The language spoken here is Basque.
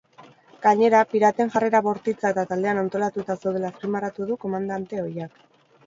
Gainera, piraten jarrera bortitza eta taldean antolatuta zeudela azpimarratu du komandante ohiak.